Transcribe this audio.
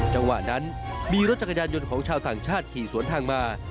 จังหวะนั้นมีรถจักรยานยนต์ของชาวต่างชาติขี่สวนทางมา